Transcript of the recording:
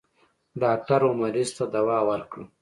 ډاکټر و مريض ته دوا ورکړه.